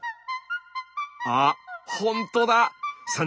あほんとだ！